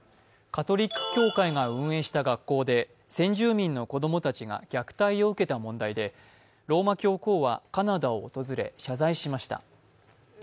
カトリック教会が運営した学校で、先住民の子供たちが虐待を受けた問題で、ローマ教皇はカナダを訪れ、謝罪しました。